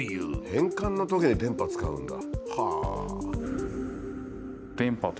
変換のときに電波使うんだ。